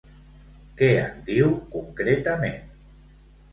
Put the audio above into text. Què en diu concretament?